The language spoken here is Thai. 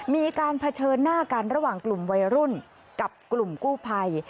มีการเผชิญหน้ากันระหว่างกลุ่มวัยรุ่นกับกลุ่มกู้ภัย